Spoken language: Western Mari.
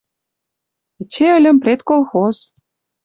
Эче ыльым предколхоз.